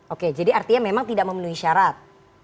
oke jadi artinya memang tidak memenuhi syarat